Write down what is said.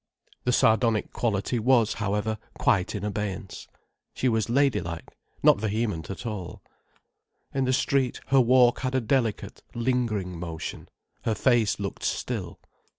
The sardonic quality was, however, quite in abeyance. She was ladylike, not vehement at all. In the street her walk had a delicate, lingering motion, her face looked still.